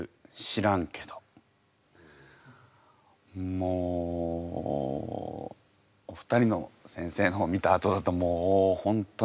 もうお二人の先生のを見たあとだともう本当に。